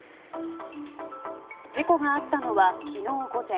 事故があったのは、昨日午前。